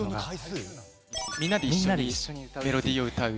みんなで一緒にメロディーを歌う。